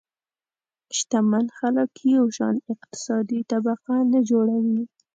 شتمن خلک یو شان اقتصادي طبقه نه جوړوي.